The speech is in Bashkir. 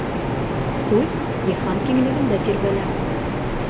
Һүҙ Йыһан киңлегендә тирбәлә.